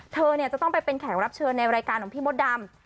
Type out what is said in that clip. เธอจะต้องไปเป็นแขกรับเชิญในรายการของพี่มดดำ